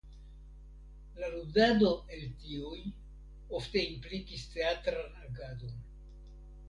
La ludado el tiuj ofte implikis teatran agadon.